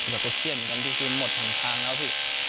แบบก็เครียดเหมือนกันพี่คือหมดหันทางแล้วพี่